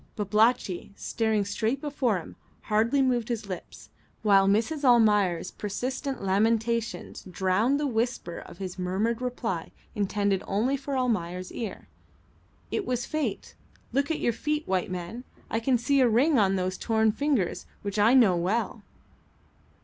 Babalatchi, staring straight before him, hardly moved his lips, while Mrs. Almayer's persistent lamentations drowned the whisper of his murmured reply intended only for Almayer's ear. "It was fate. Look at your feet, white man. I can see a ring on those torn fingers which I know well."